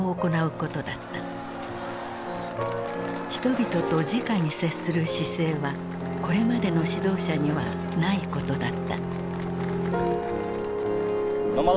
人々とじかに接する姿勢はこれまでの指導者にはないことだった。